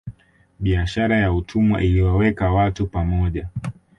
Biashara ya utumwa iliwaweka watu pamoja